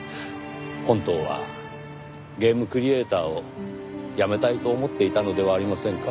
本当はゲームクリエイターを辞めたいと思っていたのではありませんか？